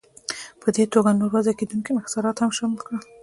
په دې توګه نور وضع کېدونکي انحصارات هم شامل کړل.